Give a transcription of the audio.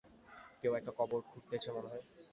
কেউ একটা কবর খুঁড়তেছে মনেহয়?